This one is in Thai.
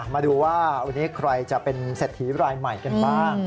มาดูว่าวันนี้ใครจะเป็นเศรษฐีรายใหม่กันบ้าง